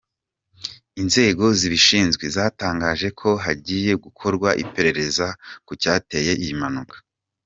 Inzego zibishinzwe zatangaje ko hagiye gukorwa iperereza ku cyateye iyi mpanuka.